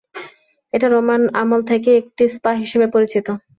এটি রোমান আমল থেকেই একটি স্পা হিসেবে পরিচিত।